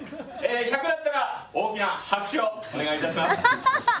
１００だったら大きな拍手をお願いします。